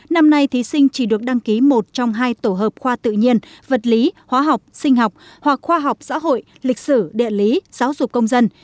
năm nay thí sinh chỉ được đăng ký một trong hai tổ hợp khoa tự nhiên vật lý hóa học sinh học hoặc khoa học xã hội lịch sử địa lý giáo dục công dân